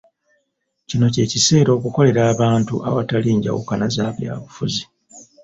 Kino ky’ekiseera okukolera abantu awatali njawukana z’abyabufuzi.